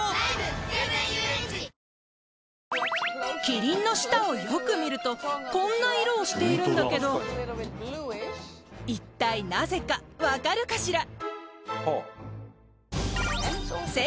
キリンの舌をよく見るとこんな色をしているんだけど一体なぜかわかるかしら？